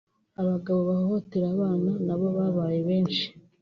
Abagabo bahohotera abana nabo babaye benshi